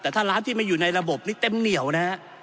แต่ถ้าร้านที่ไม่อยู่ในระบบนี้เต็มเหนียวนะฮะ